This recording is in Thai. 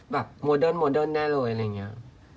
แบบโมเดิร์นได้เลยอะไรอย่างเงี้ย